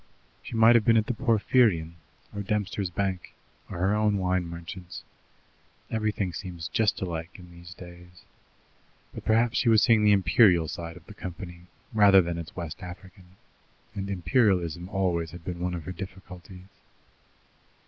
She might have been at the Porphyrion, or Dempster's Bank, or her own wine merchant's. Everything seems just alike in these days. But perhaps she was seeing the Imperial side of the company rather than its West African, and Imperialism always had been one of her difficulties.